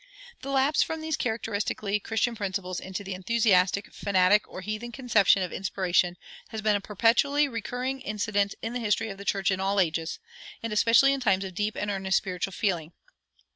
The lapse from these characteristically Christian principles into the enthusiastic, fanatic, or heathen conception of inspiration has been a perpetually recurring incident in the history of the church in all ages, and especially in times of deep and earnest spiritual feeling.